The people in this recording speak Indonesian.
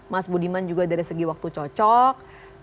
mas budiman juga dari segi waktu cocok